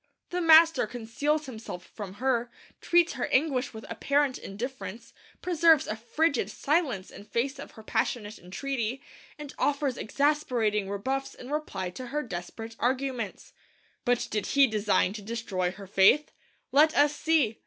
The Master conceals Himself from her; treats her anguish with apparent indifference; preserves a frigid silence in face of her passionate entreaty; and offers exasperating rebuffs in reply to her desperate arguments! But did He design to destroy her faith? Let us see!